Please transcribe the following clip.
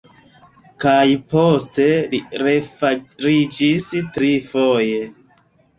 Kaj poste li refariĝis trifoje.